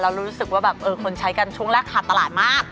เรารู้สึกว่าแบบเออคนใช้กันช่วงราคาตลาดมาก